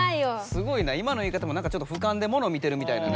すごいな今の言い方もなんかちょっとふかんでもの見てるみたいなね。